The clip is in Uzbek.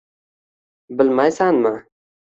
Bilmaysanmi?